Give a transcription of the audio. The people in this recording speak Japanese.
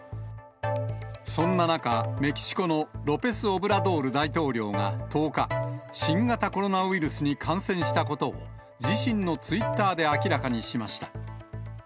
そんな中、メキシコのロペスオブラドール大統領が、１０日、新型コロナウイルスに感染したことを、自身のツイッターで明らかにしました。